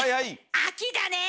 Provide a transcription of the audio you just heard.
秋だねえ。